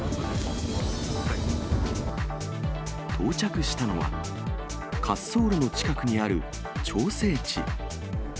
到着したのは、滑走路の近くにある調整池。